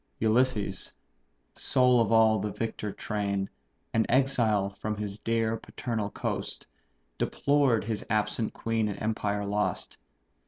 Ulysses, sole of all the victor train, An exile from his dear paternal coast, Deplored his absent queen and empire lost.